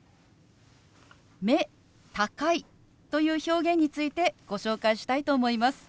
「目高い」という表現についてご紹介したいと思います。